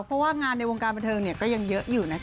เพราะว่างานในวงการบันเทิงก็ยังเยอะอยู่นะคะ